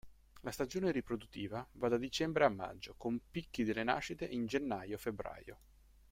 La stagione riproduttiva va da dicembre a maggio, con picchi delle nascite in gennaio-febbraio.